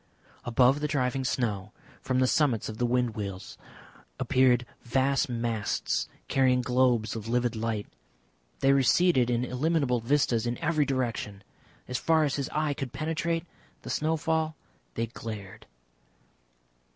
Above the driving snow, from the summits of the wind wheels, appeared vast masts carrying globes of livid light. They receded in illimitable vistas in every direction. As far as his eye could penetrate the snowfall they glared.